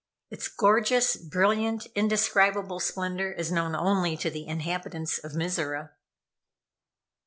Its gorgeous, brilliant, indescribable splendor is known only to the inhabitants of Mizora.